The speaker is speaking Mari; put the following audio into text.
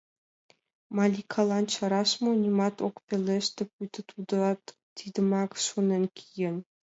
Маликалан чараш мо, нимат ок пелеште, пуйто тудат тидымак шонен киен.